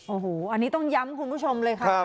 โอ้โหอันนี้ต้องย้ำคุณผู้ชมเลยค่ะ